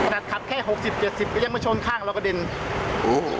ขับแค่หกสิบเจ็ดสิบก็ยังมาชนข้างเรากระเด็นโอ้โห